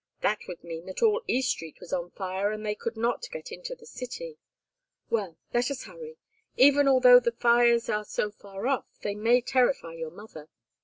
That would mean that all East Street was on fire and they could not get into the city. Well, let us hurry. Even although the fires are so far off they may terrify your mother.